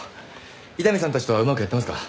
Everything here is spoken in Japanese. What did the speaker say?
伊丹さんたちとはうまくやってますか？